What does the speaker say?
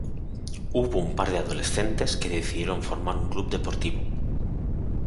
Hubo un par de adolescentes que decidieron formar un club deportivo.